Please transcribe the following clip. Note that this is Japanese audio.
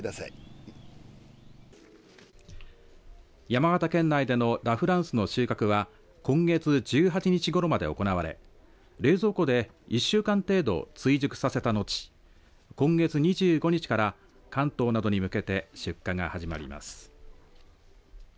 山形県内でのラ・フランスの収穫は今月１８日ごろまで行われ冷蔵庫で１週間程度追熟させた後今月２５日から関東などに向けて出荷が始まります。